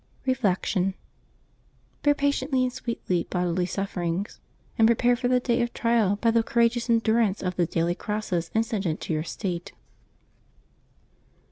Reflection. — Bear patiently and sweetly bodily suffer ings, and prepare for the day of trial by the courageous endurance of the daily crosses incident to your state.